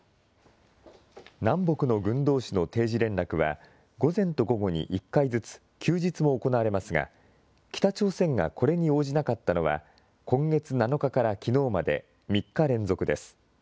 南北の軍どうしの定時連絡は午前と午後に１回ずつ、休日も行われますが、北朝鮮がこれに応じなかったのは今月７日からきのうまで、３日連続です。